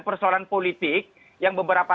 persoalan politik yang beberapa